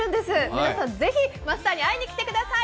皆さんぜひマスターに会いに来てください。